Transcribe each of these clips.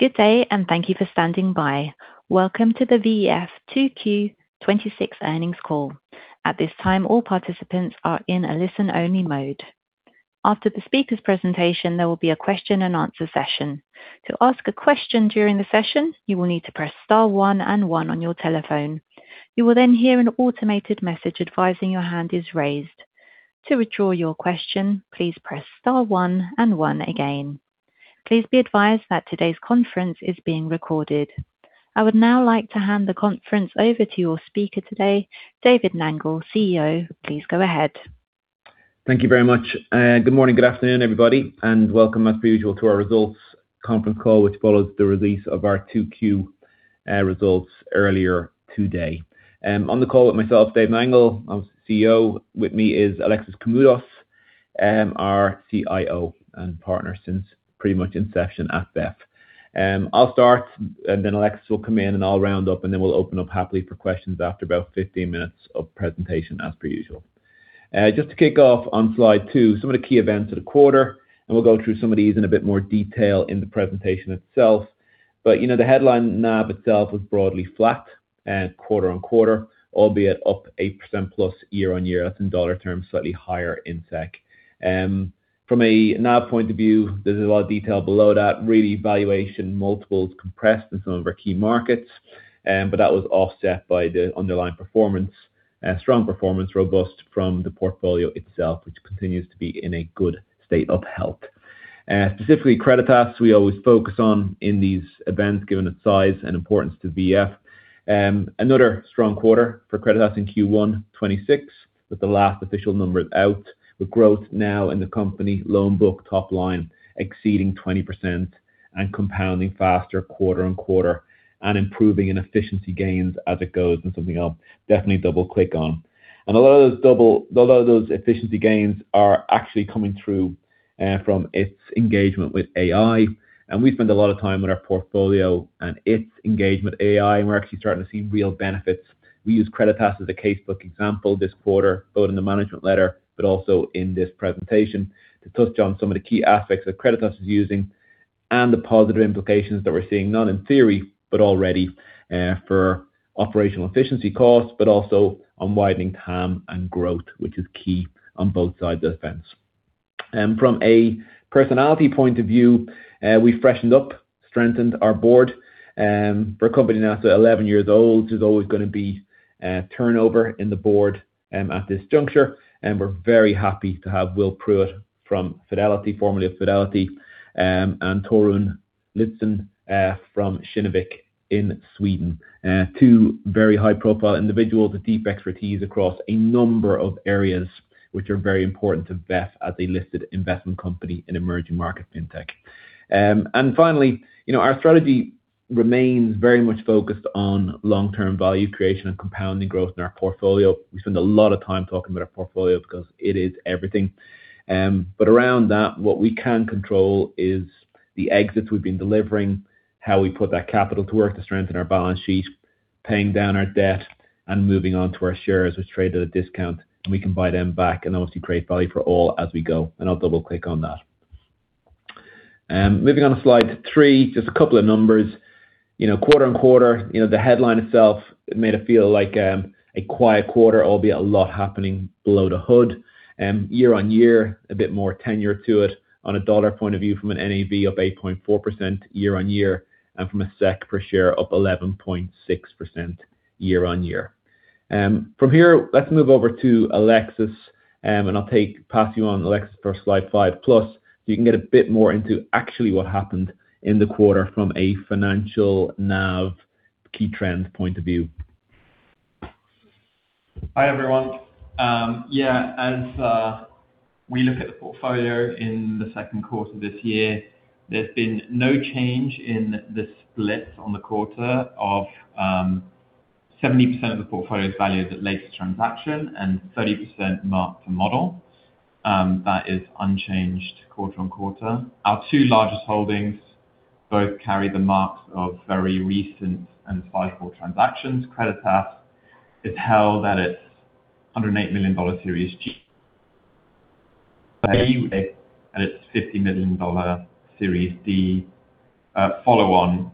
Good day. Thank you for standing by. Welcome to the VEF 2Q 2026 earnings call. At this time, all participants are in a listen-only mode. After the speaker's presentation, there will be a question-and-answer session. To ask a question during the session, you will need to press star one and one on your telephone. You will hear an automated message advising your hand is raised. To withdraw your question, please press star one and one again. Please be advised that today's conference is being recorded. I would now like to hand the conference over to your speaker today, David Nangle, CEO. Please go ahead. Thank you very much. Good morning, good afternoon, everybody. Welcome as usual to our results conference call, which follows the release of our 2Q results earlier today. On the call with myself, Dave Nangle, I'm CEO. With me is Alexis Koumoudos, our CIO and partner since pretty much inception at VEF. I'll start. Alexis will come in. I'll round up. We'll open up happily for questions after about 15 minutes of presentation, as per usual. Just to kick off on slide two, some of the key events of the quarter. We'll go through some of these in a bit more detail in the presentation itself. The headline NAV itself was broadly flat quarter-on-quarter, albeit up 8%+ year-on-year. That's in dollar terms, slightly higher in SEK. From a NAV point of view, there's a lot of detail below that, really valuation multiples compressed in some of our key markets. That was offset by the underlying performance. Strong performance, robust from the portfolio itself, which continues to be in a good state of health. Specifically, Creditas we always focus on in these events, given its size and importance to VEF. Another strong quarter for Creditas in Q1 2026, with the last official numbers out, with growth now in the company loan book top line exceeding 20% and compounding faster quarter-on-quarter and improving in efficiency gains as it goes and something I'll definitely double-click on. A lot of those efficiency gains are actually coming through from its engagement with AI. We spend a lot of time on our portfolio and its engagement with AI. We're actually starting to see real benefits. We use Creditas as a casebook example this quarter, both in the management letter but also in this presentation to touch on some of the key aspects that Creditas is using and the positive implications that we're seeing, not in theory, but already for operational efficiency costs, but also on widening TAM and growth, which is key on both sides of the fence. From a personality point of view, we freshened up, strengthened our board. For a company now that's 11 years old, there's always going to be turnover in the board at this juncture. We're very happy to have Will Pruett from Fidelity Investments, formerly of Fidelity Investments, and Torun Litzén from Kinnevik in Sweden. Two very high-profile individuals with deep expertise across a number of areas which are very important to VEF as a listed investment company in emerging market fintech. Finally, our strategy remains very much focused on long-term value creation and compounding growth in our portfolio. We spend a lot of time talking about our portfolio because it is everything. Around that, what we can control is the exits we've been delivering, how we put that capital to work to strengthen our balance sheet, paying down our debt, moving on to our shares which trade at a discount, we can buy them back and obviously create value for all as we go. I'll double-click on that. Moving on to slide three, just a couple of numbers. Quarter-on-quarter, the headline itself made it feel like a quiet quarter, albeit a lot happening below the hood. Year-on-year, a bit more tenure to it. On a dollar point of view from an NAV up 8.4% year-on-year, and from a SEK per share up 11.6% year-on-year. From here, let's move over to Alexis, I'll pass you on, Alexis, for slide five plus so you can get a bit more into actually what happened in the quarter from a financial NAV key trends point of view. Hi, everyone. As we look at the portfolio in the second quarter of this year, there's been no change in the split on the quarter of 70% of the portfolio's value that relates to transaction and 30% Mark-to-Model. That is unchanged quarter-on-quarter. Our two largest holdings both carry the marks of very recent and sizable transactions. Creditas is held at its $108 million Series G at its $50 million Series D follow-on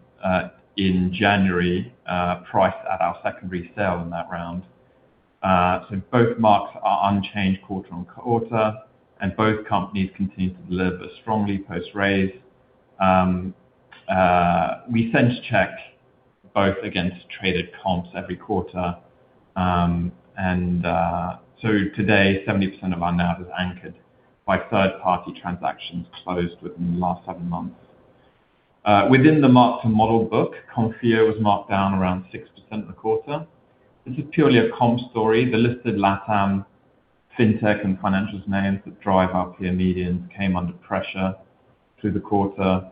in January, priced at our secondary sale in that round. Both marks are unchanged quarter-on-quarter, both companies continue to deliver strongly post-raise. We bench check both against traded comps every quarter. Today, 70% of our NAV is anchored by third-party transactions closed within the last seven months. Within the Mark-to-Model book, Konfio was marked down around 6% in the quarter. This is purely a comp story. The listed LATAM fintech and financials names that drive our peer medians came under pressure through the quarter.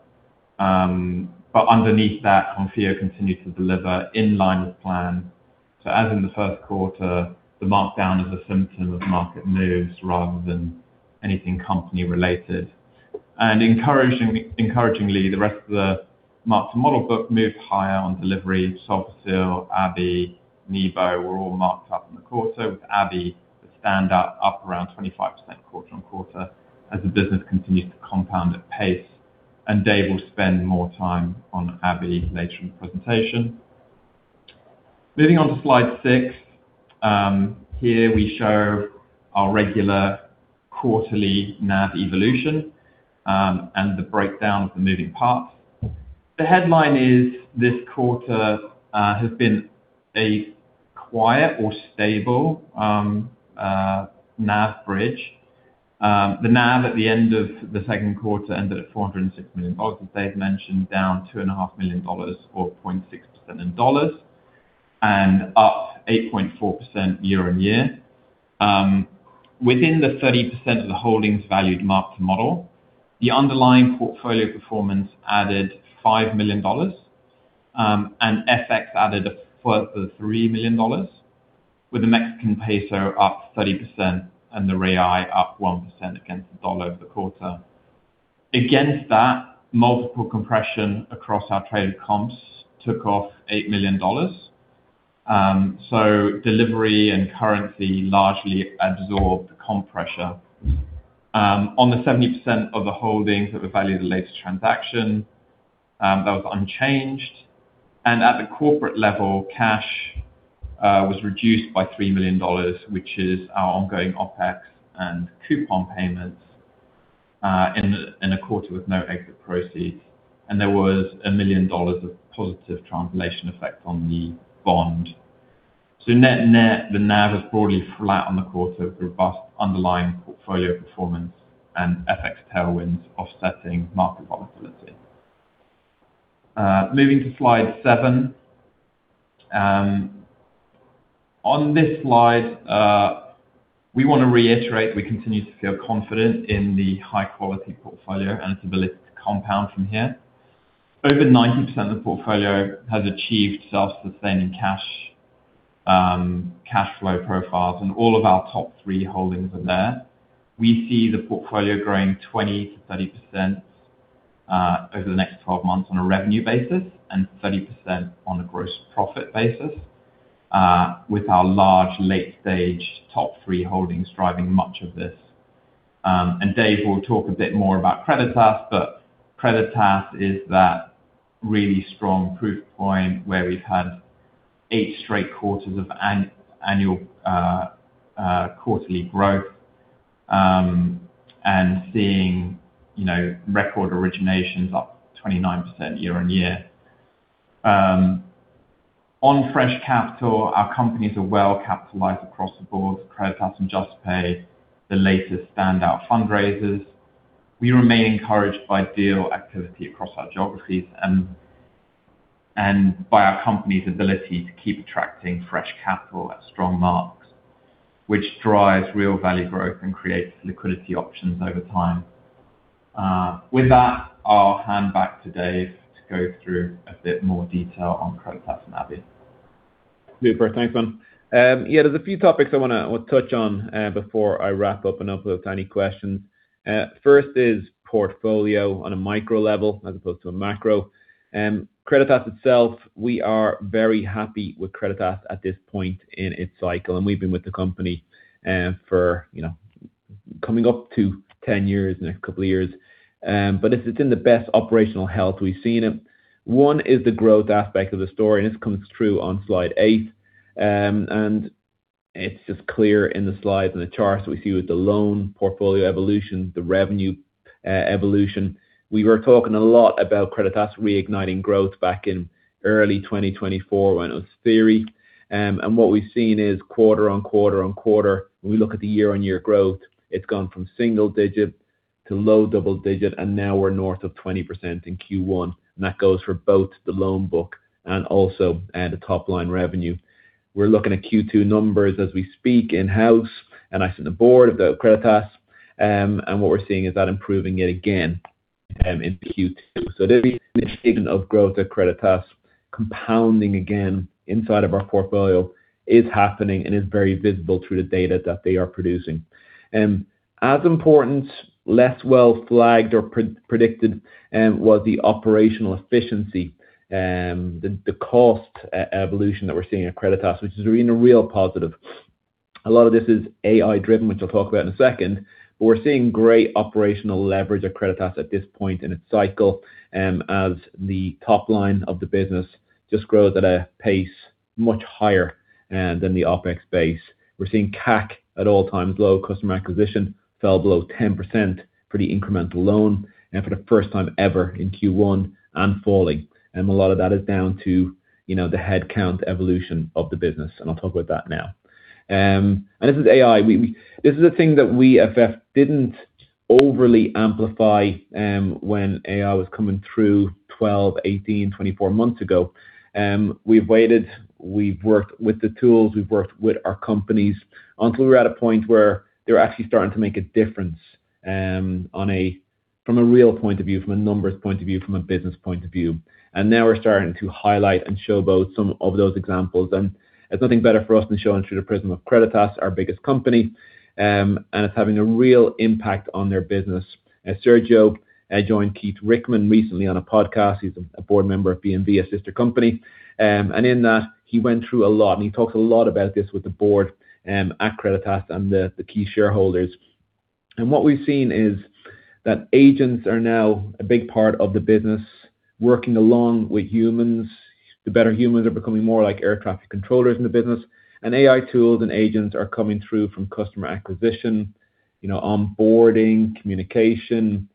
Underneath that, Konfio continued to deliver in line with plan. As in the first quarter, the markdown is a symptom of market moves rather than anything company related. Encouragingly, the rest of the Mark-to-Model book moved higher on delivery. Solfácil, Abhi, Nibo were all marked up in the quarter with Abhi stood up around 25% quarter-on-quarter as the business continues to compound at pace, Dave will spend more time on Abhi later in the presentation. Moving on to slide six. Here we show our regular quarterly NAV evolution and the breakdown of the moving parts. The headline is this quarter has been a quiet or stable NAV bridge. The NAV at the end of the second quarter ended at $406 million, as Dave mentioned, down $2.5 million, or 0.6% in dollars, and up 8.4% year-on-year. Within the 30% of the holdings valued Mark-to-Model, the underlying portfolio performance added $5 million, and FX added a further $3 million, with the Mexican peso up 30% and the real up 1% against the dollar over the quarter. Against that, multiple compression across our traded comps took off $8 million. Delivery and currency largely absorbed the compression. On the 70% of the holdings that were valued at latest transaction, that was unchanged. At the corporate level, cash was reduced by $3 million, which is our ongoing OpEx and coupon payments in a quarter with no exit proceeds. There was $1 million of positive translation effect on the bond. Net net, the NAV is broadly flat on the quarter with robust underlying portfolio performance and FX tailwinds offsetting market volatility. Moving to slide seven. On this slide, we want to reiterate we continue to feel confident in the high-quality portfolio and its ability to compound from here. Over 90% of the portfolio has achieved self-sustaining cash flow profiles, and all of our top three holdings are there. We see the portfolio growing 20%-30% over the next 12 months on a revenue basis and 30% on a gross profit basis with our large late-stage top three holdings driving much of this. Dave will talk a bit more about Creditas, but Creditas is that really strong proof point where we've had eight straight quarters of annual quarterly growth and seeing record originations up 29% year-on-year. On fresh capital, our companies are well capitalized across the board, Creditas and Juspay, the latest standout fundraisers. We remain encouraged by deal activity across our geographies and by our company's ability to keep attracting fresh capital at strong marks, which drives real value growth and creates liquidity options over time. With that, I'll hand back to Dave to go through a bit more detail on Creditas and Abhi. Super. Thanks, [inudible]. There's a few topics I want to touch on before I wrap up and open it up to any questions. First is portfolio on a micro level as opposed to a macro. Creditas itself, we are very happy with Creditas at this point in its cycle, and we've been with the company for coming up to 10 years in a couple of years. It's in the best operational health we've seen it. One is the growth aspect of the story, and this comes through on slide eight, and it's just clear in the slides and the charts we see with the loan portfolio evolutions, the revenue evolution. We were talking a lot about Creditas reigniting growth back in early 2024 when it was theory. What we have seen is quarter-on-quarter-on-quarter, when we look at the year-on-year growth, it has gone from single digit to low double digit, and now we are north of 20% in Q1. That goes for both the loan book and also the top-line revenue. We are looking at Q2 numbers as we speak in-house. I sit on the board of Creditas, and what we are seeing is that improving yet again in Q2. There is a signal of growth at Creditas compounding again inside of our portfolio is happening and is very visible through the data that they are producing. As important, less well flagged or predicted, was the operational efficiency, the cost evolution that we are seeing at Creditas, which is a real positive. A lot of this is AI driven, which I will talk about in a second. We are seeing great operational leverage at Creditas at this point in its cycle as the top line of the business just grows at a pace much higher than the OpEx base. We are seeing CAC at all-time low. Customer acquisition fell below 10% for the incremental loan for the first time ever in Q1 and falling. A lot of that is down to the headcount evolution of the business. I will talk about that now. This is AI. This is a thing that we at VEF did not overly amplify when AI was coming through 12, 18, 24 months ago. We have waited, we have worked with the tools, we have worked with our companies until we were at a point where they are actually starting to make a difference from a real point of view, from a numbers point of view, from a business point of view. Now we are starting to highlight and show some of those examples. There is nothing better for us than showing through the prism of Creditas, our biggest company. It is having a real impact on their business. Sergio joined Keith Richman recently on a podcast. He is a board member of, [inaudible] a sister company. In that, he went through a lot. He talked a lot about this with the board at Creditas and the key shareholders. What we have seen is that agents are now a big part of the business, working along with humans. The better humans are becoming more like air traffic controllers in the business. AI tools and agents are coming through from customer acquisition, onboarding, communication,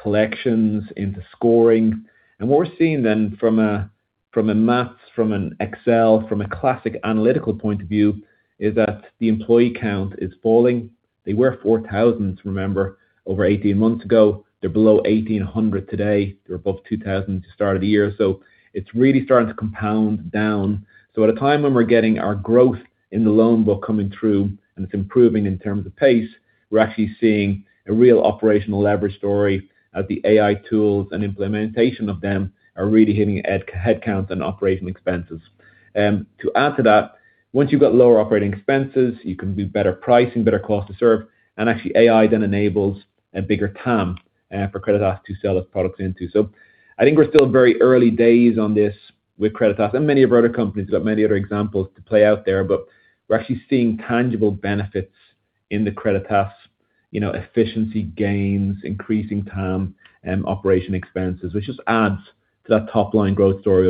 collections into scoring. What we are seeing then from a maths, from an Excel, from a classic analytical point of view, is that the employee count is falling. They were 4,000, remember, over 18 months ago. They are below 1,800 today. They are above 2,000 at the start of the year. It is really starting to compound down. At a time when we are getting our growth in the loan book coming through, and it is improving in terms of pace, we are actually seeing a real operational leverage story as the AI tools and implementation of them are really hitting headcounts and operating expenses. To add to that, once you've got lower operating expenses, you can do better pricing, better cost to serve, actually AI then enables a bigger TAM for Creditas to sell its products into. I think we're still very early days on this with Creditas and many of our other companies. We've got many other examples to play out there, but we're actually seeing tangible benefits in the Creditas efficiency gains, increasing TAM, operating expenses, which just adds to that top-line growth story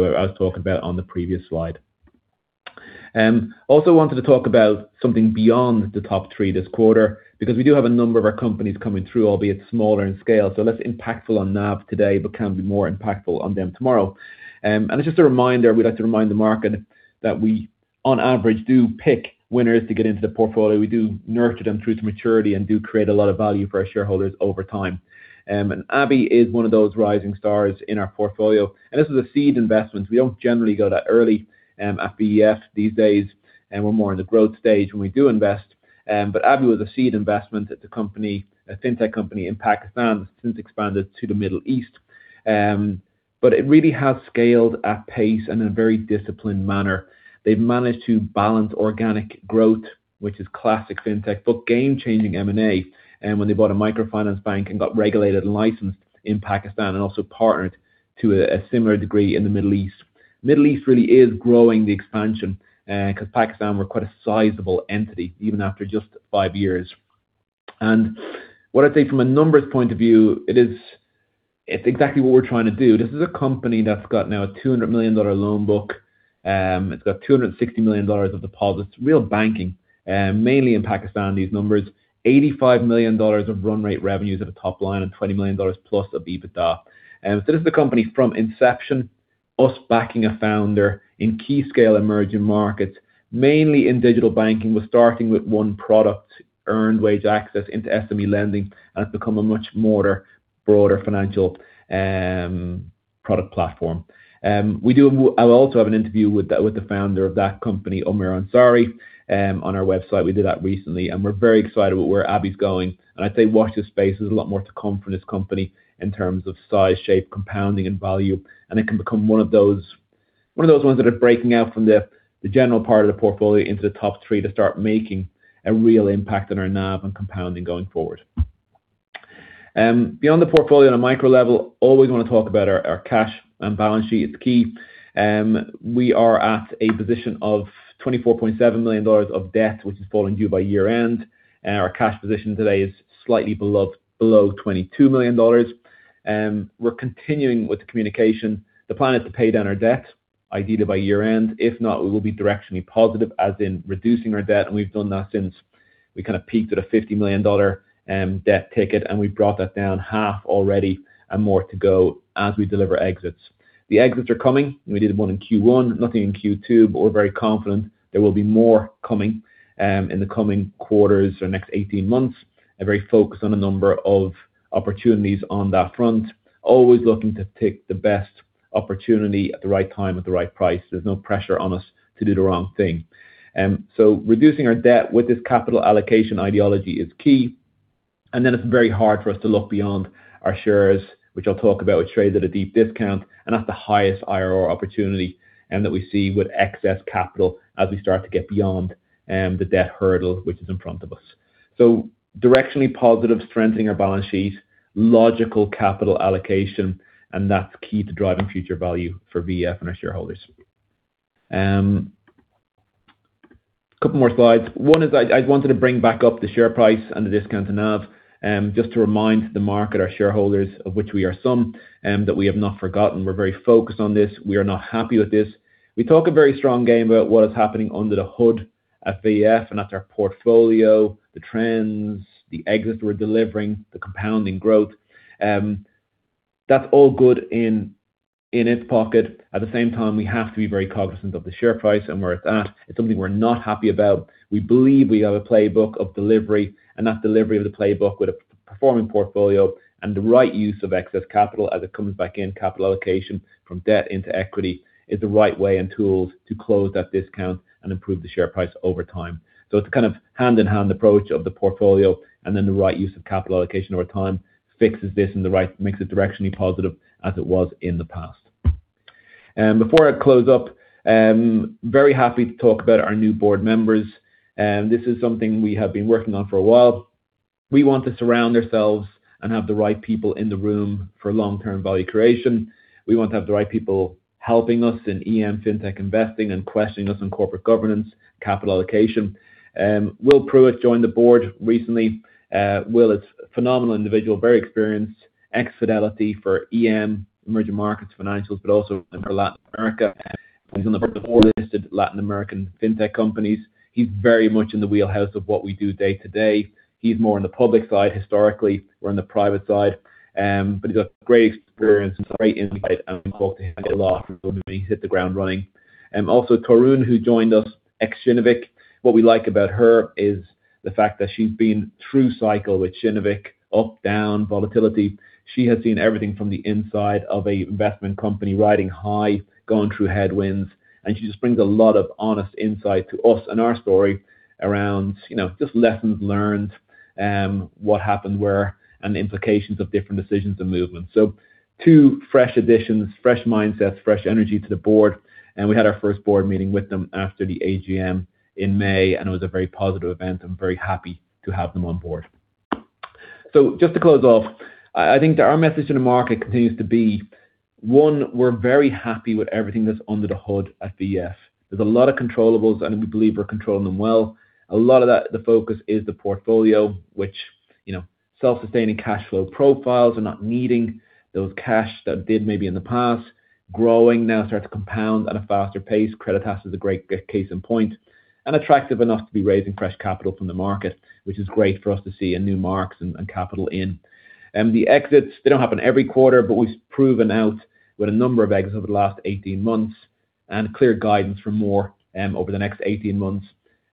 I was talking about on the previous slide. Also wanted to talk about something beyond the top three this quarter, because we do have a number of our companies coming through, albeit smaller in scale, less impactful on NAV today, but can be more impactful on them tomorrow. It's just a reminder, we'd like to remind the market that we, on average, do pick winners to get into the portfolio. We do nurture them through to maturity and do create a lot of value for our shareholders over time. Abhi is one of those rising stars in our portfolio, this is a seed investment. We don't generally go that early at VEF these days, we're more in the growth stage when we do invest. Abhi was a seed investment. It's a fintech company in Pakistan that's since expanded to the Middle East. It really has scaled at pace in a very disciplined manner. They've managed to balance organic growth, which is classic fintech, game-changing M&A, when they bought a microfinance bank and got regulated and licensed in Pakistan and also partnered to a similar degree in the Middle East. Middle East really is growing the expansion, because Pakistan were quite a sizable entity, even after just five years. What I'd say from a numbers point of view, it's exactly what we're trying to do. This is a company that's got now a $200 million loan book. It's got $260 million of deposits, real banking, mainly in Pakistan, these numbers. $85 million of run rate revenues at the top line and $20+ million of EBITDA. This is a company from inception, us backing a founder in key scale emerging markets, mainly in digital banking. We're starting with one product, earned wage access into SME lending, it's become a much broader financial product platform. I also have an interview with the founder of that company, Omair Ansari, on our website. We did that recently, we're very excited about where Abhi's going. I'd say watch this space. There's a lot more to come from this company in terms of size, shape, compounding, and value. It can become one of those ones that are breaking out from the general part of the portfolio into the top three to start making a real impact on our NAV and compounding going forward. Beyond the portfolio on a micro level, always want to talk about our cash and balance sheet. It's key. We are at a position of $24.7 million of debt, which is falling due by year-end. Our cash position today is slightly below $22 million. We're continuing with the communication. The plan is to pay down our debt, ideally by year-end. If not, we will be directionally positive, as in reducing our debt. We've done that since we kind of peaked at a $50 million debt ticket. We've brought that down half already and more to go as we deliver exits. The exits are coming. We did one in Q1, nothing in Q2. We're very confident there will be more coming in the coming quarters or next 18 months, and very focused on a number of opportunities on that front. Always looking to take the best opportunity at the right time at the right price. There's no pressure on us to do the wrong thing. Reducing our debt with this capital allocation ideology is key. It's very hard for us to look beyond our shares, which I'll talk about, which trade at a deep discount, and that's the highest IRR opportunity that we see with excess capital as we start to get beyond the debt hurdle, which is in front of us. Directionally positive, strengthening our balance sheet, logical capital allocation, and that's key to driving future value for VEF and our shareholders. Couple more slides. One is I wanted to bring back up the share price and the discount to NAV, just to remind the market, our shareholders, of which we are some, that we have not forgotten. We're very focused on this. We are not happy with this. We talk a very strong game about what is happening under the hood at VEF, and that's our portfolio, the trends, the exits we're delivering, the compounding growth. That's all good in its pocket. At the same time, we have to be very cognizant of the share price and where it's at. It's something we're not happy about. We believe we have a playbook of delivery, and that delivery of the playbook with a performing portfolio and the right use of excess capital as it comes back in capital allocation from debt into equity is the right way and tools to close that discount and improve the share price over time. It's a kind of hand-in-hand approach of the portfolio, and then the right use of capital allocation over time fixes this and makes it directionally positive as it was in the past. Before I close up, very happy to talk about our new board members. This is something we have been working on for a while. We want to surround ourselves and have the right people in the room for long-term value creation. We want to have the right people helping us in EM, fintech investing, and questioning us on corporate governance, capital allocation. Will Pruett joined the board recently. Will is a phenomenal individual, very experienced, ex-Fidelity for EM, emerging markets financials, but also in Latin America, and he's on the board of four listed Latin American fintech companies. He's very much in the wheelhouse of what we do day to day. He's more on the public side, historically. We're on the private side. He's got great experience and great insight, and we talk to him a lot. He's hit the ground running. Also, Torun, who joined us, ex-Kinnevik. What we like about her is the fact that she's been through cycle with Kinnevik, up, down, volatility. She has seen everything from the inside of an investment company, riding high, going through headwinds, and she just brings a lot of honest insight to us and our story around just lessons learned, what happened where, and the implications of different decisions and movements. Two fresh additions, fresh mindsets, fresh energy to the board, and we had our first board meeting with them after the AGM in May, and it was a very positive event, and very happy to have them on board. Just to close off, I think that our message to the market continues to be, one, we're very happy with everything that's under the hood at VEF. There's a lot of controllables, and we believe we're controlling them well. A lot of the focus is the portfolio, which self-sustaining cash flow profiles are not needing those cash that it did maybe in the past. Growing now starts to compound at a faster pace. Creditas is a great case in point, and attractive enough to be raising fresh capital from the market, which is great for us to see, and new marks and capital in. The exits, they don't happen every quarter, but we've proven out with a number of exits over the last 18 months, and clear guidance for more over the next 18 months.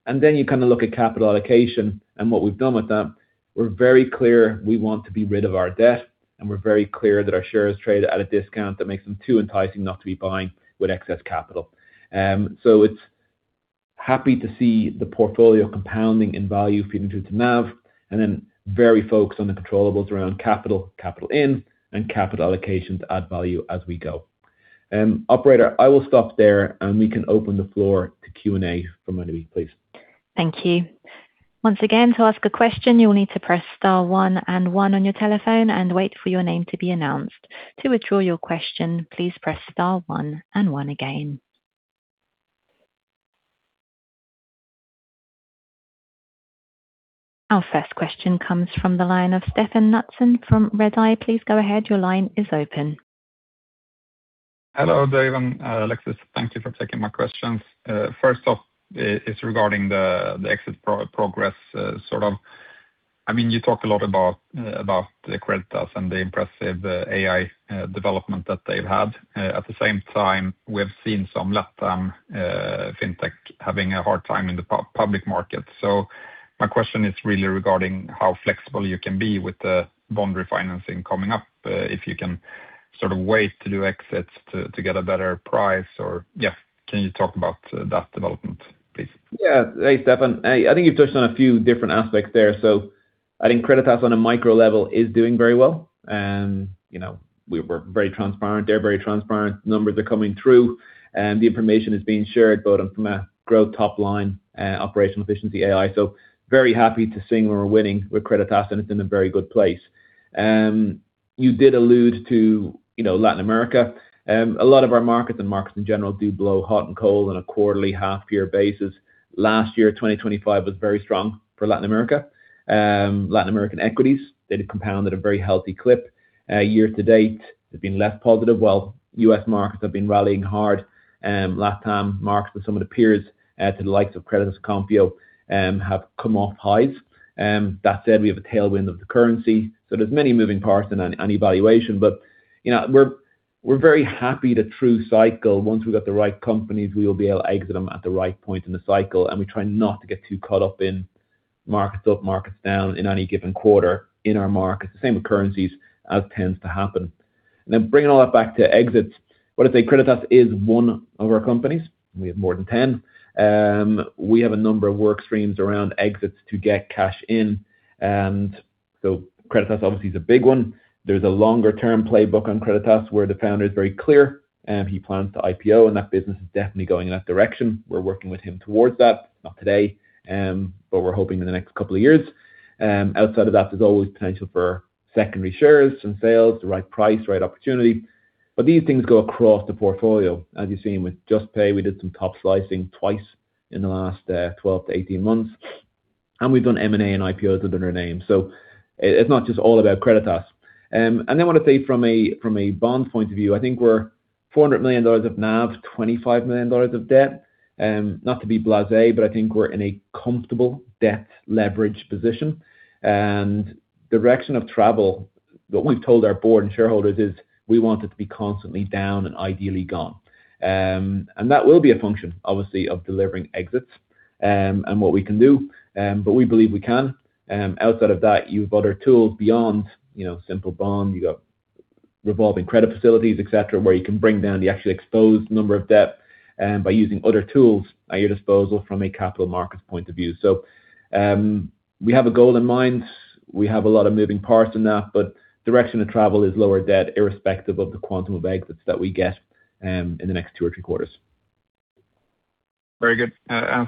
You look at capital allocation and what we've done with them. We're very clear we want to be rid of our debt, and we're very clear that our shares trade at a discount that makes them too enticing not to be buying with excess capital. It's happy to see the portfolio compounding in value feeding through to NAV, and then very focused on the controllables around capital in, and capital allocation to add value as we go. Operator, I will stop there, and we can open the floor to Q&A from anybody, please. Thank you. Once again, to ask a question, you will need to press star one and one on your telephone and wait for your name to be announced. To withdraw your question, please press star one and one again. Our first question comes from the line of Stefan Knutsson from Redeye. Please go ahead. Your line is open. Hello, Dave and Alexis. Thank you for taking my questions. First off is regarding the exit progress. You talk a lot about Creditas and the impressive AI development that they've had. At the same time, we have seen some LATAM fintech having a hard time in the public market. My question is really regarding how flexible you can be with the bond refinancing coming up, if you can wait to do exits to get a better price. Can you talk about that development, please? Hey, Stefan. I think you've touched on a few different aspects there. I think Creditas on a micro level is doing very well. We're very transparent. They're very transparent. Numbers are coming through, and the information is being shared both from a growth top line, operational efficiency, AI. Very happy to sing when we're winning with Creditas, and it's in a very good place. You did allude to Latin America. A lot of our markets and markets in general do blow hot and cold on a quarterly, half-year basis. Last year, 2025 was very strong for Latin America. Latin American equities, they compounded a very healthy clip. Year to date, they've been less positive. While U.S. markets have been rallying hard, LATAM markets with some of the peers to the likes of Creditas, Konfio, have come off highs. That said, we have a tailwind of the currency, so there's many moving parts and valuation, but we're very happy to true cycle. Once we got the right companies, we will be able to exit them at the right point in the cycle, and we try not to get too caught up in markets up, markets down in any given quarter in our markets. The same with currencies, as tends to happen. Bringing it all back to exits. What I'd say, Creditas is one of our companies. We have more than 10. We have a number of work streams around exits to get cash in. Creditas obviously is a big one. There's a longer-term playbook on Creditas where the founder is very clear. He plans to IPO, and that business is definitely going in that direction. We're working with him towards that. Not today, but we're hoping in the next couple of years. Outside of that, there's always potential for secondary shares and sales, the right price, right opportunity. These things go across the portfolio. As you've seen with Juspay, we did some top slicing twice in the last 12-18 months, and we've done M&A and IPOs within our name. It's not just all about Creditas. I want to say from a bond point of view, I think we're $400 million of NAV, $25 million of debt. Not to be blasé, but I think we're in a comfortable debt leverage position. Direction of travel, what we've told our board and shareholders is we want it to be constantly down and ideally gone. That will be a function, obviously, of delivering exits, and what we can do, but we believe we can. Outside of that, you've other tools beyond simple bond. You got revolving credit facilities, et cetera, where you can bring down the actually exposed number of debt by using other tools at your disposal from a capital markets point of view. We have a goal in mind. We have a lot of moving parts in that, but direction of travel is lower debt irrespective of the quantum of exits that we get in the next two or three quarters. Very good.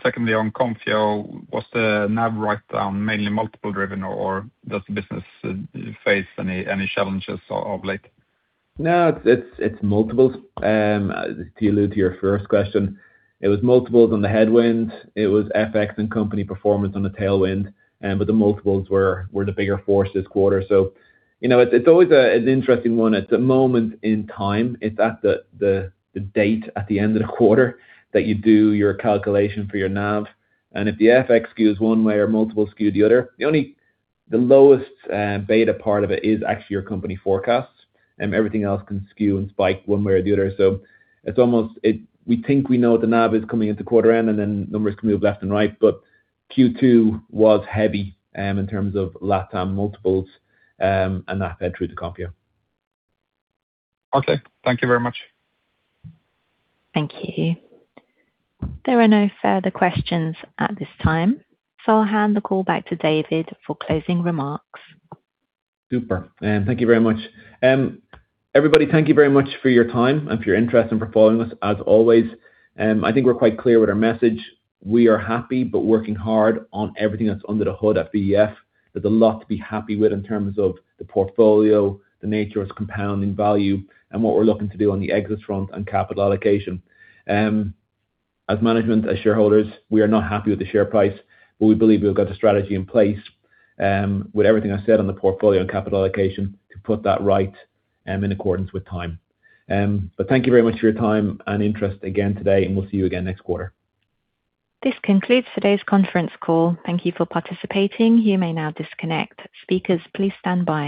Secondly, on Konfio, was the NAV write-down mainly multiple driven, or does the business face any challenges of late? No, it's multiples. To allude to your first question, it was multiples on the headwind. It was FX and company performance on the tailwind. The multiples were the bigger force this quarter. It's always an interesting one. At the moment in time, it's at the date at the end of the quarter that you do your calculation for your NAV. If the FX skews one way or multiples skew the other, the lowest beta part of it is actually your company forecasts. Everything else can skew and spike one way or the other. We think we know the NAV is coming into quarter end. Numbers can move left and right. Q2 was heavy in terms of LATAM multiples, and that fed through to Konfio. Okay. Thank you very much. Thank you. There are no further questions at this time, I'll hand the call back to David for closing remarks. Super. Thank you very much. Everybody, thank you very much for your time and for your interest in following us, as always. I think we're quite clear with our message. We are happy but working hard on everything that's under the hood at VEF. There's a lot to be happy with in terms of the portfolio, the nature of its compounding value, and what we're looking to do on the exit front and capital allocation. As management, as shareholders, we are not happy with the share price, we believe we've got the strategy in place with everything I said on the portfolio and capital allocation to put that right in accordance with time. Thank you very much for your time and interest again today, and we'll see you again next quarter. This concludes today's conference call. Thank you for participating. You may now disconnect. Speakers, please stand by.